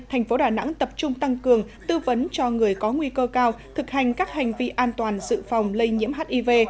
thành phố đà nẵng tập trung tăng cường tư vấn cho người có nguy cơ cao thực hành các hành vi an toàn dự phòng lây nhiễm hiv